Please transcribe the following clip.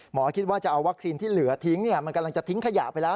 คิดว่าจะเอาวัคซีนที่เหลือทิ้งมันกำลังจะทิ้งขยะไปแล้ว